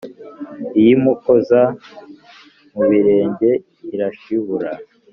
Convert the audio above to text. Iyimukoza mu birenge irashibura